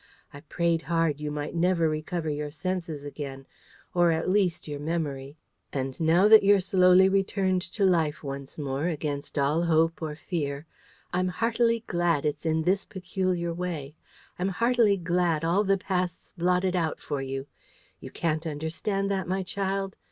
I prayed hard you might never recover your senses again, or at least your memory. And now that you're slowly returned to life once more, against all hope or fear, I'm heartily glad it's in this peculiar way. I'm heartily glad all the past's blotted out for you. You can't understand that, my child?